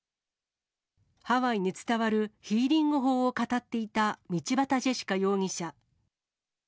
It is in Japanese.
ハワイに伝わるヒーリング法を語っていた道端ジェシカ容疑者。